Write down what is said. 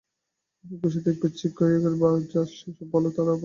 অনেক বিষয়ে দেখবে চিকাগোয় আমি যা সব বলেছি, তারই আভাস।